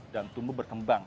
dan tumbuh berkembang